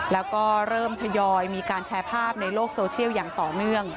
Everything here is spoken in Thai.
แล้วก็เริ่มทยอยมีการแชร์ภาพในโลกโซเชียลอย่างต่อเนื่อง